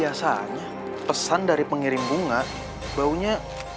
biasanya pesan dari pengirim bunga baunya